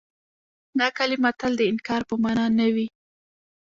نه کلمه تل د انکار په مانا نه وي.